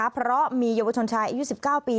เพราะมีเยาวชนชายอายุ๑๙ปี